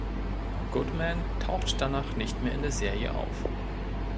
Goodman taucht danach nicht mehr in der Serie auf.